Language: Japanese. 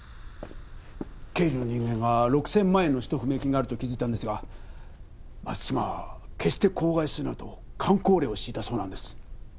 経理の人間が６０００万円の使途不明金があると気づいたんですが松島は決して口外するなと箝口令を敷いたそうなんです。